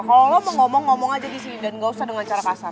kalau lo mau ngomong ngomong aja disini dan gak usah dengan cara kasar